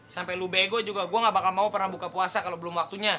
sampai lu bego juga gue gak bakal mau pernah buka puasa kalau belum waktunya